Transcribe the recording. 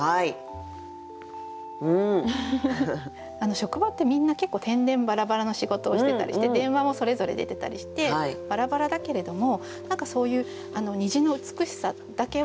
職場ってみんな結構てんでんばらばらな仕事をしてたりして電話もそれぞれ出てたりしてばらばらだけれども何かそういう虹の美しさだけはみんなで共有してる。